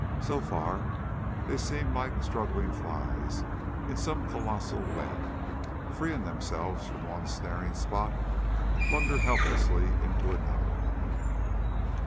So far they seemed like struggling flies in some colossal web, freeing themselves from one snaring spot to blunder helplessly into another.